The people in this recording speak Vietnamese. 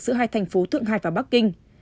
giữa hai thành phố thượng hải và bắc kinh